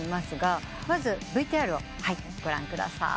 まずＶＴＲをご覧ください。